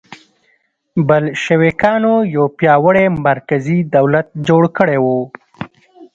بلشویکانو یو پیاوړی مرکزي دولت جوړ کړی و.